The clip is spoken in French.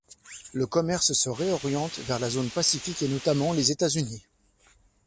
Le commerce se réoriente vers la zone Pacifique et notamment les États-Unis.